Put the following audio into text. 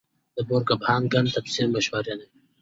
د بور کپنهاګن تفسیر مشهور دی.